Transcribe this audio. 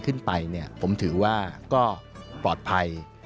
ขึ้นไปผมถือว่าก็ปลอดภัย